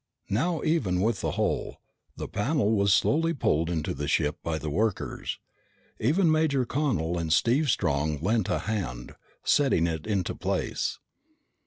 Now even with the hole, the panel was slowly pulled into the ship by the workers. Even Major Connel and Steve Strong lent a hand, setting it into place.